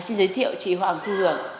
xin giới thiệu chị hoàng thư hưởng